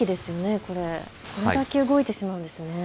これだけ動いてしまうんですね。